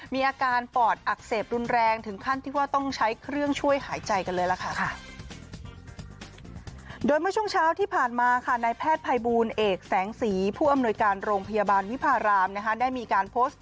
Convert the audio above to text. มีอาการปอดอักเสบรุนแรงถึงขั้นที่ว่าต้องใช้เครื่องช่วยหายใจกันเลยล่ะค่ะ